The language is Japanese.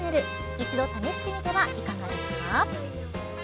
一度試してみてはいかがですか。